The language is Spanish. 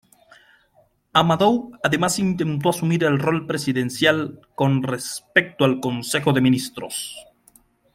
Amadou además intentó asumir el rol presidencial con respecto al Consejo de Ministros.